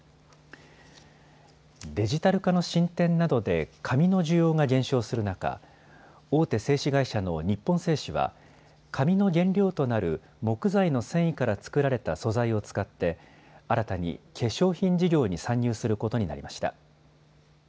デジタル化の進展などで紙の需要が減少する中、大手製紙会社の日本製紙は紙の原料となる木材の繊維から作られた素材を使って新たに化粧品事業に参入することになりました。